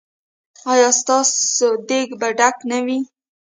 ایا ستاسو دیګ به ډک نه وي؟